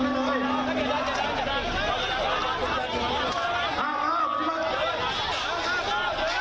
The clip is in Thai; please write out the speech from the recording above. งานนะคะ